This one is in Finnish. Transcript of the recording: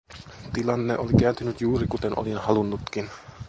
Tilanne oli kääntynyt juuri, kuten olin halunnutkin.